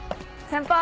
先輩？